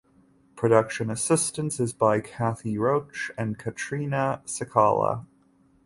Production assistance is by Kathy Roach and Katrina Cicala.